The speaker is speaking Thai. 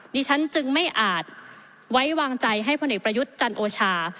ดิฉันจึงไม่อาจไว้วางใจให้พลเอกประยุทธ์จันโอชา